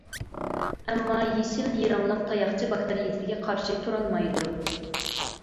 ئەمما يېشىل يىرىڭلىق تاياقچە باكتېرىيەسىگە قارشى تۇرالمايدۇ.